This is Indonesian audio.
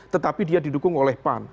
tetapi dia didukung oleh pan